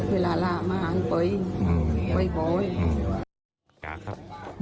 เวลาละมากไปไปบ่อย